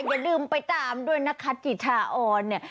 อย่าลืมไปตามด้วยนะคะจิชาออนเนี่ย